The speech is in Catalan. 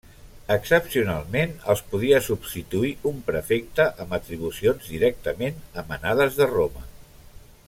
Excepcionalment, els podia substituir un prefecte amb atribucions directament emanades de Roma.